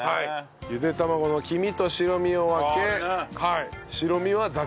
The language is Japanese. ゆで卵の黄身と白身を分け白身はざく切りにする。